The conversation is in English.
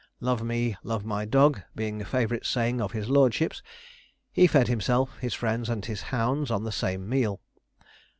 'Love me, love my dog,' being a favourite saying of his lordship's, he fed himself, his friends, and his hounds, on the same meal.